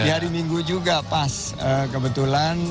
di hari minggu juga pas kebetulan